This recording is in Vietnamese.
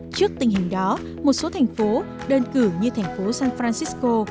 trước tình hình đó một số thành phố đơn cử như thành phố san francisco